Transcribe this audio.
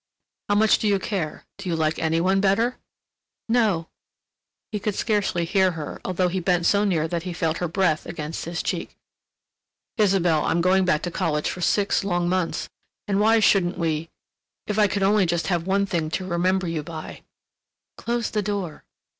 "How much do you care—do you like any one better?" "No." He could scarcely hear her, although he bent so near that he felt her breath against his cheek. "Isabelle, I'm going back to college for six long months, and why shouldn't we—if I could only just have one thing to remember you by—" "Close the door...."